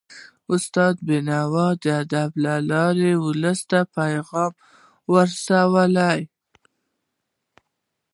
استاد بينوا د ادب له لارې ولس ته پیغام ورساوه.